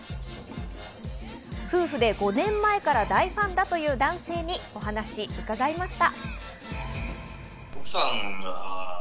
夫婦で５年前から大ファンだという男性にお話を伺いました。